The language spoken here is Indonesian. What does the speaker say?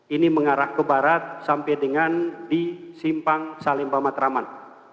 ini mengarah ke barat sampai dengan di simpang salim bamat raman